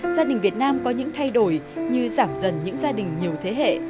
gia đình việt nam có những thay đổi như giảm dần những gia đình nhiều thế hệ